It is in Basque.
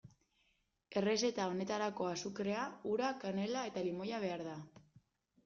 Errezeta honetarako azukrea, ura, kanela eta limoia behar da.